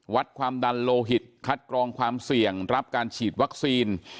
วัดความดันโลหิตคัดกรองความเสี่ยงรับการฉีดวัคซีน